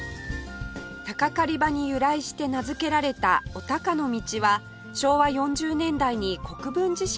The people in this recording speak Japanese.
鷹狩り場に由来して名付けられたお鷹の道は昭和４０年代に国分寺市が整備